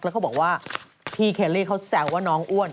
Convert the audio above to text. แล้วก็บอกว่าพี่เคลลี่เขาแซวว่าน้องอ้วน